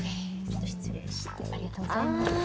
ちょっと失礼してありがとうございます。